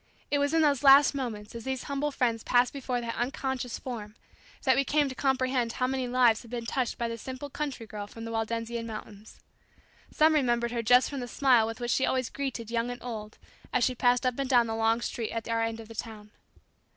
It was in those last moments as these humble friends passed before that unconscious form that we came to comprehend how many lives had been touched by the simple country girl from the Waldensian mountains. Some remembered her just from the smile with which she always greeted young and old as she passed up and down the long street at our end of the town.